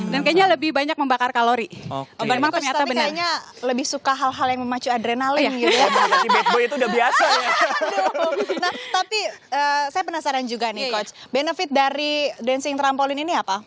tapi saya penasaran juga nih coach benefit dari dancing trampoline ini apa